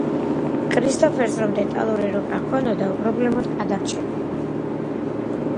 კრისტოფერს რომ დეტალური რუკა ჰქონოდა, უპრობლემოდ გადარჩებოდა.